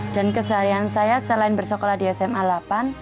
dan keseharian saya selain bersekolah di sma delapan